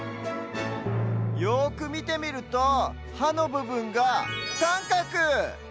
よくみてみるとはのぶぶんがさんかく！